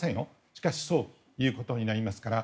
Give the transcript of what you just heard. しかしそういうことになりますから。